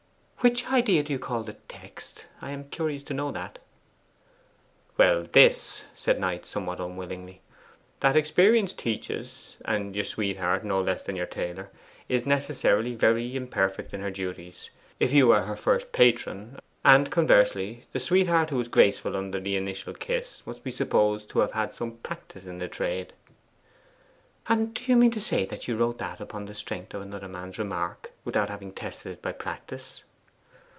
'Which idea do you call the text? I am curious to know that.' 'Well, this,' said Knight, somewhat unwillingly. 'That experience teaches, and your sweetheart, no less than your tailor, is necessarily very imperfect in her duties, if you are her first patron: and conversely, the sweetheart who is graceful under the initial kiss must be supposed to have had some practice in the trade.' 'And do you mean to say that you wrote that upon the strength of another man's remark, without having tested it by practice?